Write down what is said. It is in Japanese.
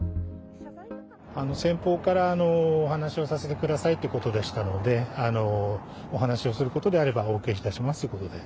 先方からお話をさせてくださいってことでしたので、お話をすることであればお受けいたしますということで。